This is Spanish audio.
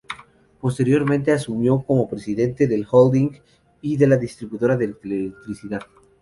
Posteriormente asumió como presidente del holding y de la distribuidora de electricidad.